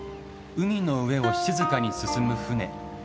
海の上を静かに進む船。